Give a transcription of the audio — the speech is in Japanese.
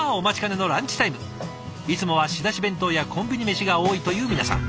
いつもは仕出し弁当やコンビニメシが多いという皆さん。